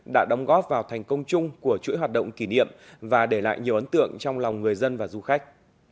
đã đóng góp vào thành công chung của chuỗi hoạt động kỷ niệm và để lại nhiều ấn tượng trong lòng người dân và du khách